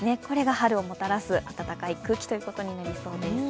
これが春をもたらす暖かい空気になりそうです。